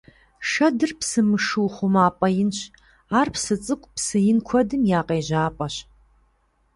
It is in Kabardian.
Шэдыр псы мышыу хъумапӀэ инщ, ар псы цӀыкӀу, псы ин куэдым я къежьапӀэщ.